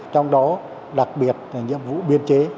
trong đó đặc biệt là nhiệm vụ biên chế